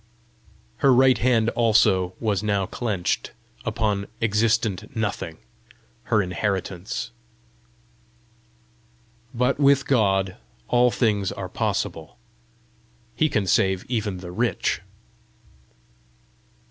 Her right hand also was now clenched upon existent Nothing her inheritance! But with God all things are possible: He can save even the rich!